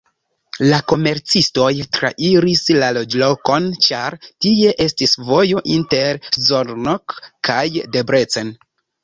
La komercistoj trairis la loĝlokon, ĉar tie estis vojo inter Szolnok kaj Debrecen.